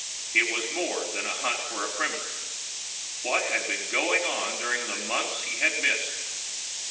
It was more than a hunt for a criminal. What had been going on during the months he had missed?